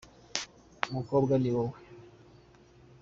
umukobwa niwowe